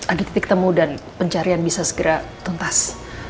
ada titik temu dan pencarian bisa segera tuntas